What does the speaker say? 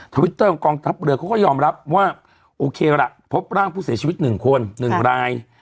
วิตเตอร์ของกองทัพเรือเขาก็ยอมรับว่าโอเคล่ะพบร่างผู้เสียชีวิต๑คน๑ราย